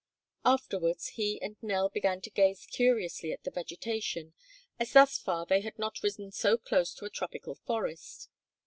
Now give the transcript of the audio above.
Afterwards he and Nell began to gaze curiously at the vegetation, as thus far they had not ridden so close to a tropical forest.